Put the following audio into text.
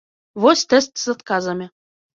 Вось тэст з адказамі.